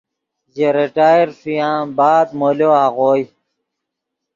ژے ریٹائر ݰویان بعد مولو آغوئے